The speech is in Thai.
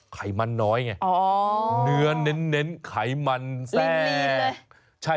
ไขมันน้อยไงเนื้อเน้นไขมันแทรก